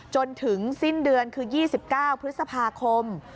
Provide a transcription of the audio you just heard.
จนถึงสิ้นเดือนคือ๒๙พฤษภาคม